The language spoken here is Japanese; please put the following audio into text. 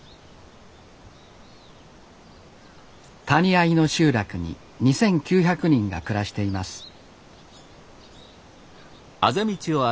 谷あいの集落に２，９００人が暮らしています